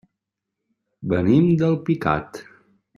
Venim d'Alpicat.